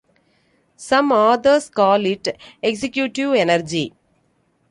Some authors call it "Executive Energy".